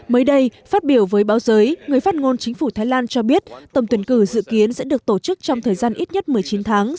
mới đây phát biểu với báo giới người phát ngôn chính phủ thái lan cho biết tổng tuyển cử dự kiến sẽ được tổ chức trong thời gian ít nhất một mươi chín tháng